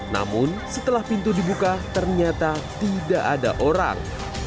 namun setelah pintu dibuka ternyata tidak ada orang